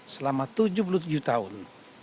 selama tujuh puluh tujuh tahun